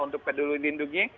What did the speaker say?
untuk kedulungan lindungi